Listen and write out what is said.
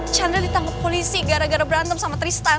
chandra ditangkap polisi gara gara berantem sama tristan